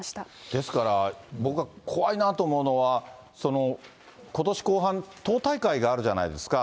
ですから、僕が怖いなと思うのは、ことし後半、党大会があるじゃないですか。